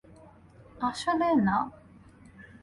আসলে, না।